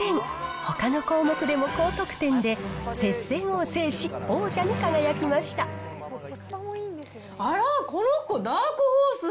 ほかの項目でも高得点で、接戦を制し、あら、この子ダークホース。